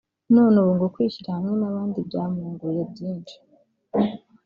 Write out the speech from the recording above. none ubu ngo kwishyira hamwe n’abandi byamwunguye byinshi